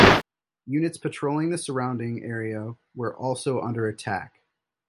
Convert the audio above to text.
Units patrolling the surrounding area were also under attack.